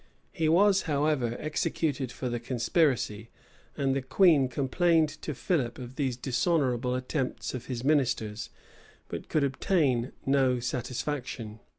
He was, however, executed for the conspiracy; and the queen complained to Philip of these dishonorable attempts of his ministers, but could obtain no satisfaction.